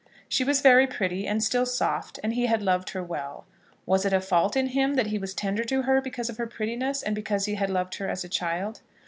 She was very pretty, and still soft, and he had loved her well. Was it a fault in him that he was tender to her because of her prettiness, and because he had loved her as a child?